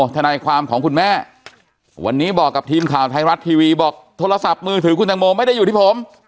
ทนายความของคุณแม่วันนี้บอกกับทีมข่าวไทยรัฐทีวีบอกโทรศัพท์มือถือคุณตังโมไม่ได้อยู่ที่ผม